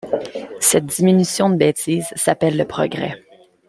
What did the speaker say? Cette diminution de bêtise s’appelle le progrès.